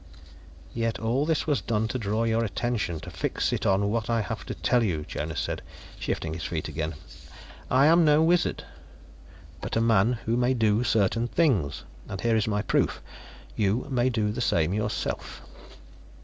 "Yet all this was done to draw your attention, to fix it on what I have to tell you," Jonas said, shifting his feet again. "I am no wizard, but a man who may do certain things. And here is my proof: you may do the same yourself."